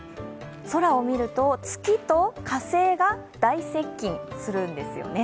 空を見ると、月と火星が大接近するんですよね。